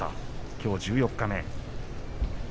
きょう十四日目。